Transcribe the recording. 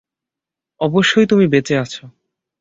অবশ্যই, তুমি বেঁচে আছো।